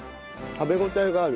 食べ応えがある。